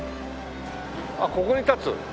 あっここに建つ？